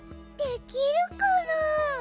できるかな？